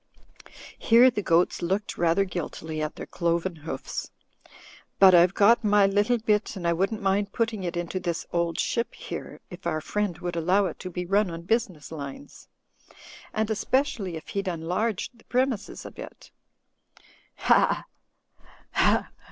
Here the goats looked rather guiltily at their cloven hoofs. "But I've got my little bit and I wouldn't mind putting it into this 'Old Ship' here, if our friend would allow it to be nm on business lines. And especially if he'd enlarge the premises a bit. Ha ! ha